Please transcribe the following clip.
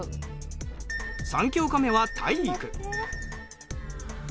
３教科目は体育。